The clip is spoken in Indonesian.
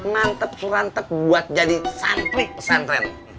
mantep surantep buat jadi santri pesantren